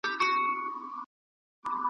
چي اصل تصویر پټ وي .